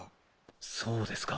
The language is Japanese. そうですか。